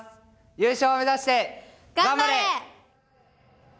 優勝目指して、頑張れ！